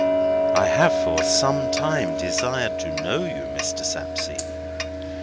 "I have for some time desired to know you, Mr. Sapsea."